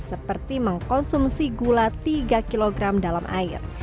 seperti mengkonsumsi gula tiga kg dalam air